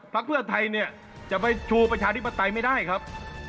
เพื่อไทยเนี่ยจะไปโชว์ประชาธิปไตยไม่ได้ครับ